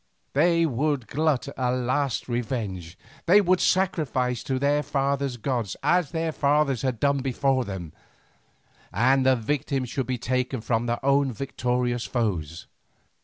They would glut a last revenge, they would sacrifice to their fathers' gods as their fathers had done before them, and the victims should be taken from their own victorious foes.